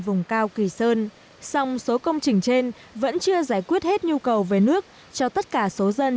vùng cao kỳ sơn số công trình trên vẫn chưa giải quyết hết nhu cầu về nước cho tất cả số dân